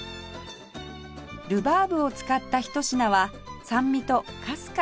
ルバーブを使ったひと品は酸味とかすかな甘みが特徴